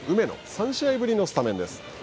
３試合ぶりのスタメンです。